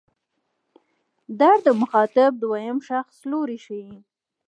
در د مخاطب دویم شخص لوری ښيي.